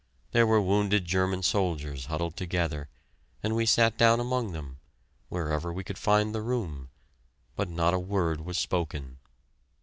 There were wounded German soldiers huddled together, and we sat down among them, wherever we could find the room, but not a word was spoken.